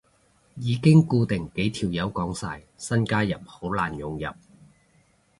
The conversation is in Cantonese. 已經固定幾條友講晒，新加入好難融入